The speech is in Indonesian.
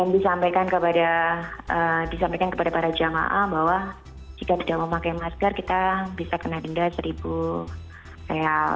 dan disampaikan kepada para jamaah bahwa jika tidak memakai masker kami bisa kena denda rp satu